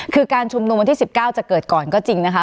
คือการชุมนุมวันที่๑๙จะเกิดก่อนก็จริงนะคะ